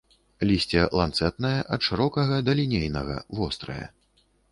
Лісце ланцэтнае, ад шырокага да лінейнага, вострае.